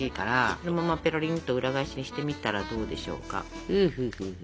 そのままぺろりんと裏返しにしてみたらどうでしょうか。